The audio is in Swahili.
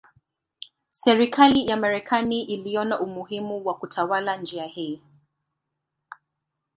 Serikali ya Marekani iliona umuhimu wa kutawala njia hii.